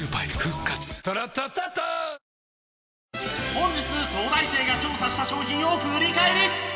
本日東大生が調査した商品を振り返り！